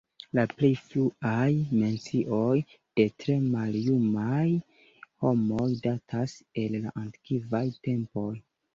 La plej fruaj mencioj de tre maljumaj homoj datas el la antikvaj tempoj.